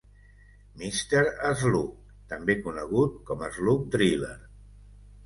Mister Slug: també conegut com Slug Driller.